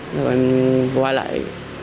rồi quay lại